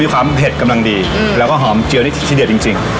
มีความเผ็ดกำลังดีอืมแล้วก็หอมเจียวนี้ชิดเดียวจริงจริง